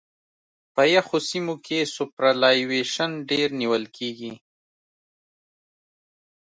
په یخو سیمو کې سوپرایلیویشن ډېر نیول کیږي